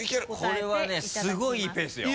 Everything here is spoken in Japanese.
これはねすごいいいペースよ。